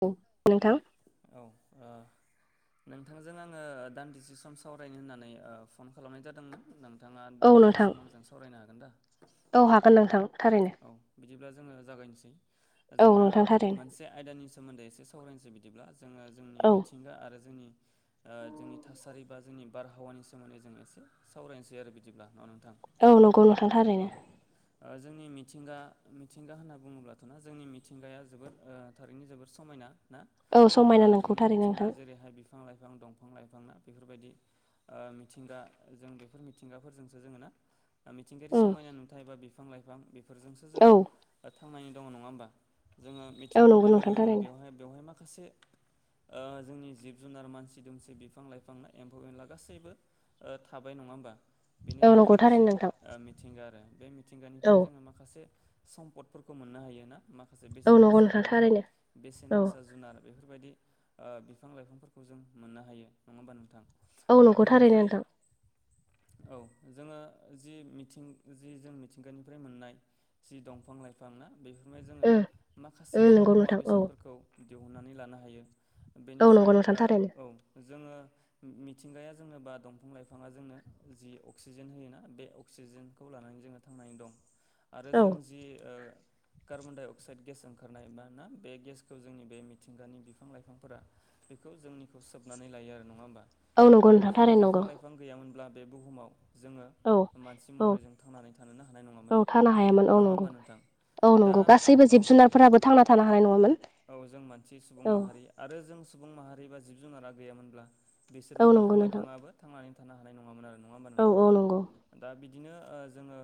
औ। नोंथां औ। नोंथांजों आङो दान्दिसे सम सावरायनो होननानै फन खालामनाय जादोंमोन नोंथाङा औ दानदिसे नोंथां सम आंजों सावरायनो हागोन दा? औ हागोन नोंथां थारैनो औ बिदिब्ला जोङो जागायनोसै औ जोङो नोंथां थारैनो मोनसे आयदानि सोमोन्दै एसे सावरायनोसै बिदि बिदिब्ला जोङो जोंनि औ मिथिंगा आरो जोंनि जोंनि थासारि बा जोंनि बारहावानि सोमोन्दै जों एसे सावरायनोसै आरो बिदिब्ला नोंथां औ नंगौ नोंथां औ थारैनो। ओ जोंनि मिथिंगा मिथिंगा होनना बुङोब्लाथ'ना जोंनि मिथिंगाया जोबोर थारैनो जोबोर समायना। ना औ समायना नोंगौ जोंनि थारैनो मिथिंगा नोंथां जेरैहाय बिफां लाइफां दंफां लाइफां ना बेफोरबायदि मिथिंगा जों बेफोर मिथिंगाफोरजोंसो जोङो ना मिथिंगायारि उम समायना नुथाय एबा बिफां लाइफां बेफोरजोंसो औ जोङो थांनानै दङ नङा होमबा जोङो औ मिथिंगा नंगौ होनाय नोंथां लोगो लोगोनो थारैनो बेवहाय बेवहाय माखासे ओ जोंनि जिब जुनार मानसि दुमसि बिफां लाइफां एम्फौ एनला गासैबो थाबाय नङा होमबा बेनो औ जोंनि नंगौ थारैनो मोनसे नोंथां मिथिंगा आरो बे औ मिथिंगानिफ्राय जोङो माखासे [unintelligible] सम्पदफोरखौ मोननो हायो ना मा खासे औ बेसेन नंगौ गोसा नोंथां दंफां थारैनो बेसेन औ गोसा जुनार बे फोरबायदि बिफां लाइफांफोरखौ जों मोननो हायो नङा होमबा नोंथां औ ओ नंखौ थारैनो बेनिफ्राय नोंथां औ जोङो जि मिथिं जि जों मिथिंगानिफ्राय मोननाय जि दंफां लाइफां ना बेफोरनिफ्राय जोङो उम माखासे उम जोङो नंगौ मुवा नोंथां औ बेसादफोरखौ दिहुननानै लानो हायो औ नंगौ बेनिफ्राय नोंथां थारैनो ओ औ जोङो उम मिथिंगाया जोंनो बा दंफां लाइफाङा जोंनो जि अक्सिजेन होयोना बे अक्सि जेनखौ लानानै जोङो थांनानै दं आरो औ जों जि ओ कार्बनडाइ अक्साइड गेस ओंखारनाय मा ना बे गेसखौ जोंनि बे मिथिंगानि बिफां लाइफांफोरा बेखौ जोंनिखौ सोबनानै लायो आरो नङा होमबा औ नंगौ थारैनो नोंथां जुदि नंगौ बिफां लाइफां गैयामोनब्ला बे बुहुमाव जोङो औ मानसि औ महरैजों थांनानै थानोनो हानाय नङामोन। औ थानो हायामोन औ नङा नंगौ होमबा नोंथां औ दा नंगौ गासैबो औ जिब जुनारफोराबो थांना थानो हानाय नङामोन। औ जों मानसि सुबुं औ माहारि आरो जों सुबुं माहारि बा जिब जुनारा गैयामोनब्ला औ बिसोरबो नंगौ बिफां नोंथां लाइफाङाबो थांनानै थानो हानाय नङामोन आरो नङा होमबा औ नोंथां औ नंगौ दा बि दिनो ओ जोङो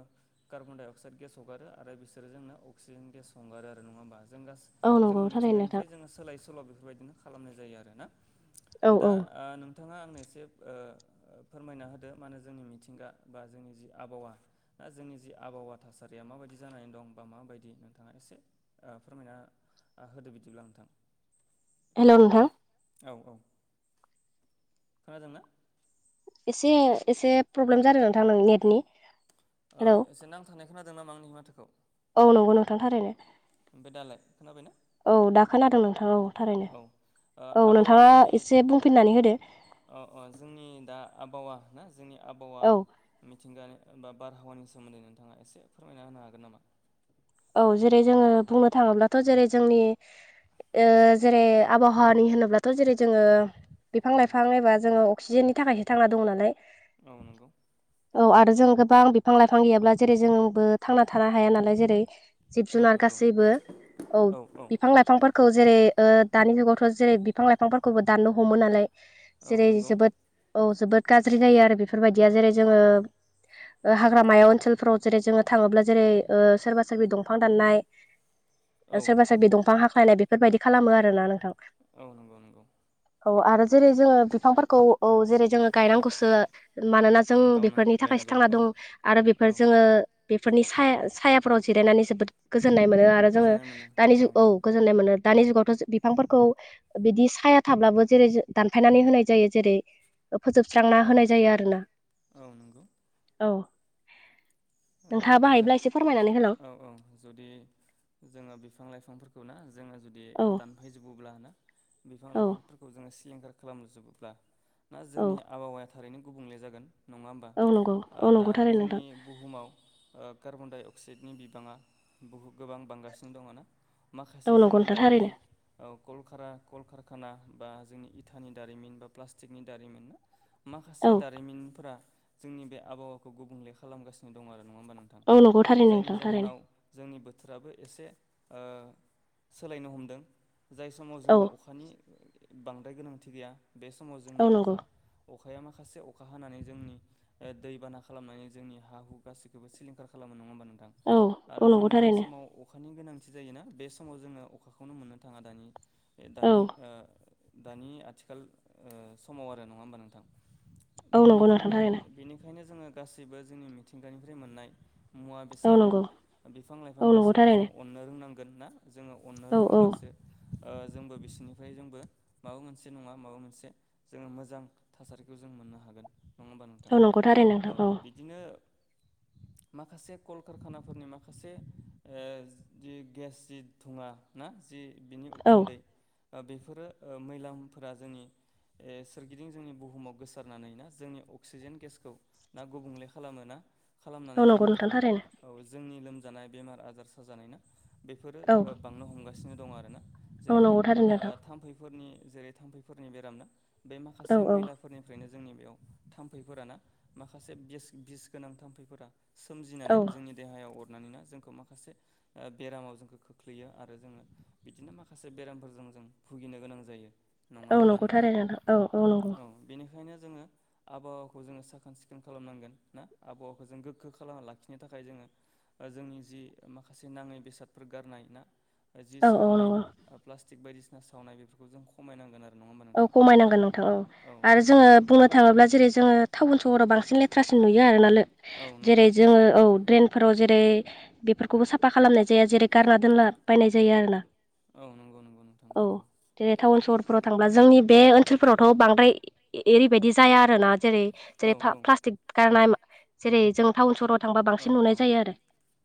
कार्बन डाइ अक्साइड गेस हगारो आरो बिसोरो जोंनो अक्सिजेन गेस हंगारो आरो नङा होमबा जों गा औ नंगौ जोङो थारैनो नोंथां मिथिंगानिफ्राय जोङो सोलाय सोल' बेफोरबायदिनो खालामनाय जायो आरो ना औ औ दा आ नोंथाङा आंनो एसे ओ फोरमायना होदो मानो जोंनि मिथिंगा बा जोंनि जि आबहावा दा जोंनि जि आबहावा थासारिया माबायदि जानानै दं बा माबायदि नोंथांङा एसे ओ फोरमायना होदो बिदिब्ला नोंथां हेलौ नोथां औ औ खोनादोंना एसे एसे प्रब्लेम जादों नोंथां नों नेटनि ओ हेलौ एसे नांथानाय खोनादों नामा आंनि माथोखौ औ नंगौ नोंथां थारैनो ओमफ्राय दालाय खोनाबायना औ दा खोनादों नोंथां औ थारैनो औ ओ औ आबहावा नोंथाङा जोंनि एसे बुंफिननानै होदो अ अ जोंनि दा आबहावा ना जोंनि आबहावा औ मिथिंगा बा बारहावानि सोमोन्दै नोंथांङा एसे फोरमायना होनो हागोन नामा औ जेरै जोङो बुंनो थांङोब्ला थ जेरै जोंनि ओ जेरै आबहावानि होनोब्लाथ जेरै जोङो बिफां औ लाइफां एबा जोङो अक्सिजेननि थाखायसो थांना दङ नालाय औ नंगौ औ आरो जों गोबां बिफां लाइफां गैयाब्ला जेरै जोंबो थांना थानो हाया नालाय जेरै जिब औ जुनार नंगौ गासैबो औ बिफां लाइफांफोर खौ जेरै ओ दानि जुगावथ जेरै बिफां लाइफांफोरखौबो दाननो हमो नालाय औ जेरै नंगौ जोबोद औ जोबोद गाज्रि जायो आरो बेफोरबायदिया जेरै जोङो ओ हाग्रामायाव ओनसोलफोराव जेरै जोङो थाङोब्ला जेरै ओ सोरबा सोरबि दंफां दाननाय औ ओ सोरबा सोरबि दंफां हाख्लायनाय बेफोरबायदि खालामो आरो ना नोंथां औ नंगौ नंगौ औ आरो जेरै जोङो बिफांफोरखौ औ जेरै जोङो गायनांगौसो मानोना जों गाव नांगौ बेफोरनि थाखायसो गायनांगौ थांना औ दं आरो बेफोर औ जोङो नंगौ बेफोरनि साया साया फोराव जिरायनानै जोबोद गोजोननाय मोनो आरो जोङो गोजोननाय मोनो दानि जु औ गोजोननाय मोनो दानि जुगावथ जो बिफांफोरखौ बिदि साया थाब्लाबो जेरै दानफायनानै होनाय जायो जेरै फोजोबस्रांना औ होनाय जायो आरोना औ नंगौ औ नोंथांङाबो ओ जों हायोब्ला एसे फोरमायनानै होलां औ औ जुदि जोङो बिफां लाइफांफोरखौ ना जोङो जुदि औ दानफायजोबोब्ला ना बिफां औ लाइफांफोरखौ जोङो सिलिंखार खालामजोबोब्ला ना औ जोंनि आबहावाया थारैनो गुबुंले जागोन नङा होमबा औ नंगौ औ दा नंगौ थारैनो नोंथां जोंनि बुहुमाव कार्बन डाइ अक्साइडनि बिबांङा बहु गोबां बांगासिनो दंङ ना माखासे औ नंगौ जोंनि नोंथां थारैनो दारिमिन औ कलखारा‌ कलकारखाना बा जोंनि इथानि दारिमिन बा प्लास्टिकनि दारिमिन माखासे औ दारिमिनफोरा जोंनि बे आबहावाखौ गुबुंले खालामगासिनो दं आरो नङा होमबा नोंथां औ नंगौ थारैनो जायनि नोंथां थारैनो जाहोनाव जोंनि बो आबो एसे ओ सोलायनो हमदों जाय समाव औ जोंनो अखानि बांद्राय गोनांथि गैया बे समाव औ जोंनो नंगौ अखा अखा अखाया माखासे अखा हानानै जोंनि दैबाना खालामनानै जोंनि हा हु गासिखौबो सिलिंखार खालामो नङा होमबा नोंथां औ औ आरो नंगौ जोंनो जाय थारैनो समाव अखा अखानि गोनांथि जायोना बे समाव जोङो अखाखौनो मोननो थाङा दानि औ दानि ओ दानि आथिखाल समाव आरो नङा होमबा नोंथां औ नंगौ नोंथां बेनिखायनो थारैनो बेनिखायनो जोङो गासैबो जोंनि मिथिंगानिफ्राय मोननाय मुवा औ बेसाद ना नंगौ बिफां औ लाइफां नंगौ गासैखौबो जों थारैनो अननो रोंनांगोन ना जोङो अननो औ औ रोंङोब्लासो ओ जोंबो बिसोरनिफ्राय जोंबो माबा मोनसे नङा माबा मोनसे जोङो मोजां थासारिखौ जों मोननो हागोन नङा होमबा नोंथां औ नंगौ थारैनो औ नोंथां बिदिनो [inaudible] माखासे कलकारखानाफोरनि माखासे ओ जि गेसनि दुङा ना जि बिनि औ उखुन्दै बेफोरो मैलामफोरा जोंनि ए सोरगिदिं जोंनि बुहुमाव गोसारनानै ना जोंनि अक्सिजेन गेसखौ ना गुबुंले खालामो ना औ खालामनानै नंगौ जायनि नोंथां थाखाय थारैनो औ जोंनि लोमजानाय बेमार आजार साजानायना बेफोरो औ बांनो हमगासिनो दं आरोना औ जेरैहाय नंगौ थारैनो नोंथां थामफैफोरनि जेरै थाम्फैफोरनि बेराम ना बे औ माखासे औ मैलाफोरनिफ्रायनो जोंनि बेयाव थाम्फैफोर ना माखासे बिस बिस गोनां थाम्फैफोरा औ सोमजिनानै जोंनि देहायाव अ मानोना जों माखासे बेरामाव जोंखौ खोख्लैयो आरो जोङो बिदिनो माखासे बेरामफोर जों जों भुगिनो गोनां जायो नङा औ होमब्ला नंगौ थारैनो नोंथां औ औ नंगौ जोङो आबहावाखौ जोङो साखोन सिखोन खालामनांगोन ना आबहावाखौ जों गोग्गो खालामना लाखिनो थाखाय जोङो जोंनि जि माखासे नाङै बेसादफोर गारनाय ना जि औ औ सावनाय नंगौ प्लास्टिक बायदिसिना सावनाय बेफोरखौ जों खमायनांगोन आरो नङा होमबा औ नोंथां खमायनांगोन नोंथां औ आरो जोङो बुंनो थाङोब्ला जेरै जोङो टाउन सहराव बांसिन बांसिन लेथ्रासिन नुयो आरोना लो औ जेरै नंगौ जोङो औ द्रेन फोराव जेरै बेफोरखौबो साफा खालामनाय जाया जेरै गारना दोनला बायनाय जायो आरो ना औ नंगौ नंगौ नोंथां नंगौ। जेरै टाउन सहरफोराव थांब्ला जोंनि बे ओनसोलफोरावथ' बांद्राय ओरैबायदि जाया आरोना जेरै औ जेरै औ प्लास्टिक गारनाय जेरै जों टउन सहर थांबा औ बांसिन नुनाय औ जायो आरो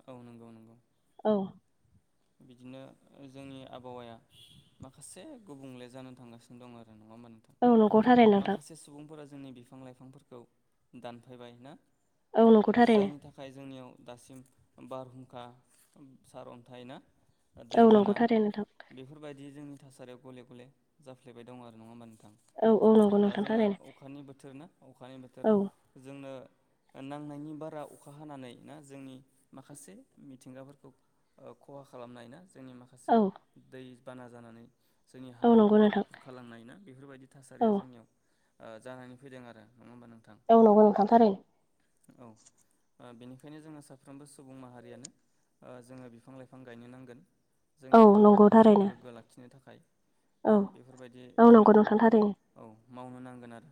औ नंगौ नंगौ औ। बिदिनो जोंनि आबहावाया माखासे गुबुंले जानो थांगासिनो दं आरोना। नङा होमबा नोंथां औ नंगौ थारैनो नोंथां माखासे सुबुंफोरा जोंनि बिफां लाइफांफोरखौ दानफायबाय ना औ नंगौ थारैनो जायनि थाखाय जोंनियाव दासिम बारहुंखा सार अन्थायना औ नंगौ थारैनो नोंथां बिदि जोंनि थासारियाव गले गले जाफ्लेबाय दं आरो नङा होमबानो औ औ नंगौ दा नोंथां जोंहा थारैनो अखानि बोथोर ना अखानि बोथोर औ जोंनो नांनायनि बारा अखा हानानै ना जोंनि माखासे मिथिंगाफोरखौ ओ [unintelligible] खहा खालामनाय ना जोंनि माखासे औ दै बाना जानानै जोंनि हा औ नंगौ हुफोरखौ नोंथां खुरखालांनाया बेफोरबायदि औ थासारिया जोंनियाव जानानै फैदों आरो। नङा होमबा नोंथां औ नोंगौ नोंथां थारैनो। औ ओ बेनिखायनो जोङो साफ्रोमबो सुबुं माहारियानो ओ जोङो बिफां लाइफां बिफां गायनो नांगोन औ जोंनि नंगौ आबहावाखौ जों थारैनो गोग्गो लाखिनो थाखाय ना औ बेफोरबायदि औ जोङो नंगौ नोंथां हाबाखौ थारैनो औ मावनो नांगोन आरो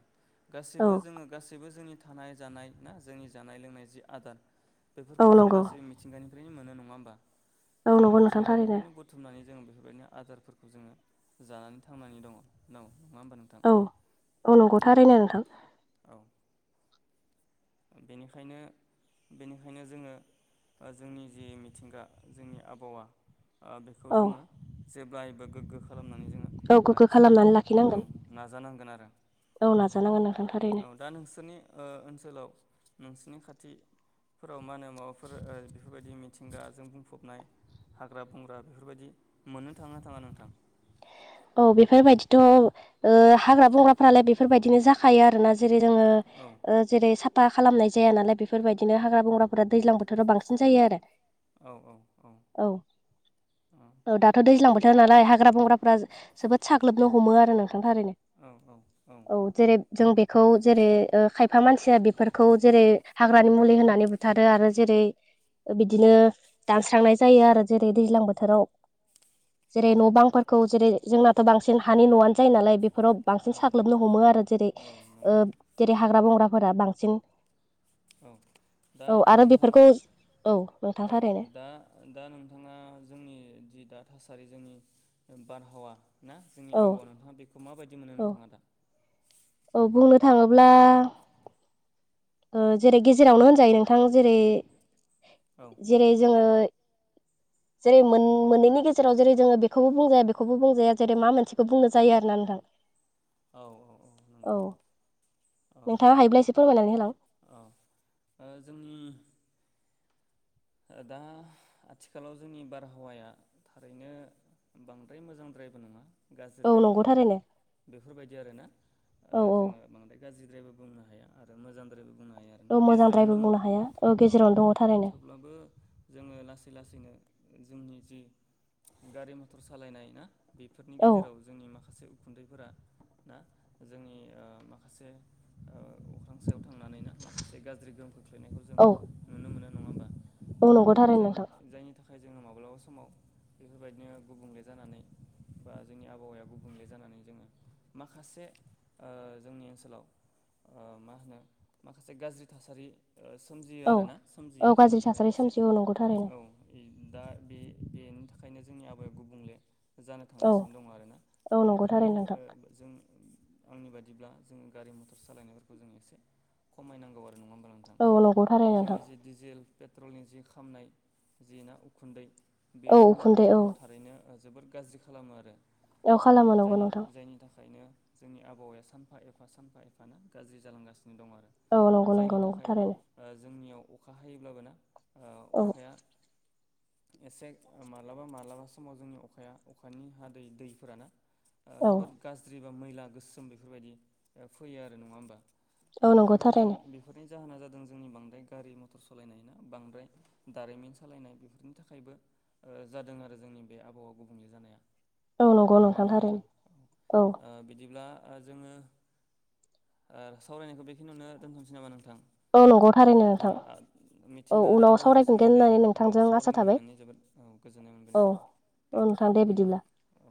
औ गासैबो जोङो गासैबो जोंनि थानाय जानाय ना जोंनि जानाय लोंनाय जि आदार औ बेफोरखौ जों नंगौ गासैबो मिथिंगानिफ्रायनो मोनो नङा होमबा औ जों नंगौ नोंथां थारैनो मिथिंगानिफ्रायनो बुथुमनानै जों बैनो आदारफोरखौ जोङो जानानै थांनानै दङ दङ औ औ नंगौ थारैनो नोंथां औ बेनिखायनो बेनिखायनो जोङो जोंनि जि मिथिंगा जोंनि आबहावा ओ बेखौ औ जोङो जेब्लायबो गोग्गो खालामनानै जोङो औ गोग्गो लाखिनो खालामनानै औ लाखिनांगोन नाजानांगोन आरो औ नाजानांगोन नोंथां थारैनो औ दा नोंसोरनि ओ ओनसोलाव नोंसिनि खाथि फोराव मा होनो माबाफोर बेफोरबायदि मिथिंगाजों बुंफबनाय हाग्रा बंग्रा बेफोरबायदि मोननो थाङोना थाङा नोंथां औ बेफोरबायदिथ' ओ हाग्रा बंग्राफ्रालाय बेफोरबायदिनो जाखायो आरोना। जेरै जोङ औ ओ जेरै साफा खालामनाय जाया नालाय बेफोरबायदिनो हाग्रा बंग्राफोरा दैज्लां बोथोराव बांसिन जायो आरो औ औ औ औ ओ दाथ' दैज्लां जोबोर बोथोर नालाय हाग्रा बंग्रा जोबोद साग्लोबनो हमो आरो नोंथां थारैनो औ औ औ जेरै जों बे खौ जेरै ओ खायफा मानसिया बेफोरखौ जेरै हाग्रानि मुलि होननानै बुथारो आरो जेरै बिदिनो दानस्रांनाय जायो आरो जेरै दैज्लां बोथोराव जेरै औ न' बांफोरखौ जेरै जोंनाथ' बांसिन हानि न'आनो जायो नालाय बे फोराव औ बांसिन औ साग्लोबनो हमो आरो जेरै औ नंगौ जेरै हाग्रा बंग्राफोरा बांसिन औ दा औ आरो नोंथाङा बेफोरखौ औ नोंथां औ थारैनो दा दा नोंथाङा जोंनि जि दा थासा सारि जोंनि बारहावा ना जोंनि औ आबाहावा नोंथाङा बेखौ माबायदि मोनो औ नोंथाङा दा? औ बुंनो थाङोब्ला ओ जेरै गेजेरावनो होनजायो नोंथां औ जेरै-जेरै जोङो [inaudible] जेरै मोन-मोननैनि गेजेराव जेरै जोङो बेखौबो बुंजाया बेखौबो बुंजाया जेरै मा मोनसेखौ बुंनो जायो आरना नोंथां। औ औ औ नंगौ नोंथाङा औ हायोब्ला एसे फोरमायनानै होलां औ ओ जोंनि दा आथिखालाव जोंनि बारहावाया थारैनो बांद्राय मोजांद्रायबो नङा औ गाज्रिद्रायबो नंगौ नङा थारैनो बेफोरबायदि आरोना ओ औ औ जोङो बांद्राय गाज्रिद्रायबो बुंनो हाया आरो मोजांद्रायबो बुंनो हाया आरोना औ गेजेरावनो मोजांद्रायबो बुंनो हाया औ गेजेरावनो दङ थारैनो बो जोङो लासै लासैनो जोंनि जि गारि मथर सालायनाय ना बेफोरनि औ गेजेराव जोंनि माखासे उखुन्दै फोरा ना जोंनि माखासे अख्रां सायाव थांनानैनो माखासे गाज्रि गोहोम खोख्लैनायखौ जों औ नुनो मोनो नङा ओ औ नंगौ थारैनो नोंथां जायनि-जायनि थाखाय खाय जोङो माब्लाबा समाव बेफोरबायदिनो गुबुंले जानानै बा जोंनि आबहावाया गुबुंले जानानै जोङो माखासे ओ जोंनि ओनसोलाव ओ मा होनो माखासे गाज्रि थासारि ओ सोमजियो औ आरोना औ सोमजियो जायनि गाज्रि थाखाय थासारि एसे सोमजियो औ नंगौ थारैनो औ उम दा बे बेनि थाखायनो जोंनि आबाहावाया गुबुंले जानो औ थांगासिनो दं आरोना औ नंगौ बेनिखायनो थारैनो नोंथां ओ जों आंनि बादिब्ला जों गारि मटर सालायनायफोरखौ जों एसे खमायनांगौ आरो नङा होमबा नोंथां औ नंगौ थारै जोंनि नोंथां। जि डिजेल पेट्रलनि जि खामनाय जि ना उखुन्दै बे औ जोंनि उखुन्दै औ आबहावाखौ थारैनो ओ जोबोद गाज्रि खालामो आरो औ ओ खालामो नंगौ जायनि नोंथां जायनि थाखायनो जोंनि आबावाया सानफा एफा सानफा एफानो गाज्रि जालांगासिनो दं आरो औ नंगौ नंगौ जायनि नंगौ थाखाय थारैनो ओ जोंनियाव अखा हायोब्लाबो ना ओ औ अखाया एसे मालाबा मालाबा समाव जोंनि अखाया अखानि हादै दैफोराना ओ औ जोबोद गाज्रि बा मैला गोसोम बेफोरबायदि फैयो आरो नङा होमबा? औ नंगौ बेफोरो जों थारैनो बेफोरनि जाहोना जादों जोंनि बांद्राय गारि मटर सालायनाय ना? बांद्राय दारिमिन सालायनाय बेफोरनि थाखायबो ओ जादों आरो जोंनि बे आबहावा गुबुंले जानाया [inaudible] नंगौ नङा होमबा थारैनो नोंथां औ ओ बिदिब्ला ओ जोङो ओ सावरायनायखौ बेखिनियावनो दोनथ'नोसै नामा नोंथां? औ नंगौ थारैनो ओ नोंथां। आ औ मिथिंगा आरो उनाव आबाहावानि सावरायफिनगोन सोमोन्दै होननानै औ नोंथांजों आसा सावरायनो थाबाय मोननानै जोबोद औ गोजोननाय मोनबाय नोंथां। अ नोंथां दे बिदिब्ला। औ